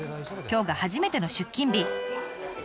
今日が初めての出勤日。